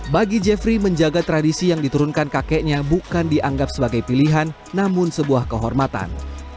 bagi jeffrey menjaga tradisi yang diturunkan kakeknya bukan dianggap sebagai pilihan namun sebuah kehormatan